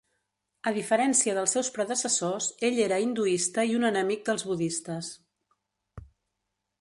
A diferència dels seus predecessors, ell era hinduista i un enemic dels budistes.